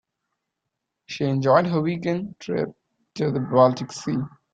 She enjoyed her weekend trip to the baltic sea.